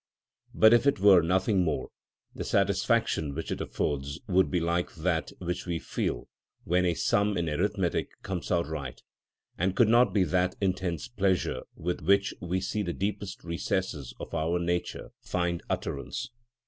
But if it were nothing more, the satisfaction which it affords would be like that which we feel when a sum in arithmetic comes out right, and could not be that intense pleasure with which we see the deepest recesses of our nature find utterance.